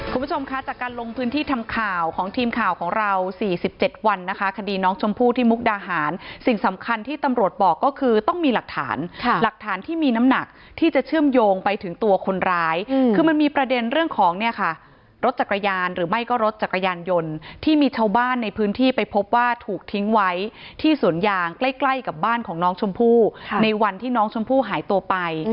คุณผู้ชมคะจากการลงพื้นที่ทำข่าวของทีมข่าวของเรา๔๗วันนะคะคดีน้องชมพู่ที่มุกดาหารสิ่งสำคัญที่ตำรวจบอกก็คือต้องมีหลักฐานหลักฐานที่มีน้ำหนักที่จะเชื่อมโยงไปถึงตัวคนร้ายคือมันมีประเด็นเรื่องของเนี่ยค่ะรถจักรยานหรือไม่ก็รถจักรยานยนต์ที่มีชาวบ้านในพื้นที่ไปพบว่าถูกทิ้งไ